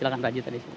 silahkan rajita disini